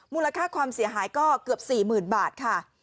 มูลค่าความเสียหายก็เกือบ๔๐๐๐บาทค่ะ